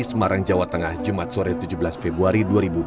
semarang jawa tengah jumat sore tujuh belas februari dua ribu dua puluh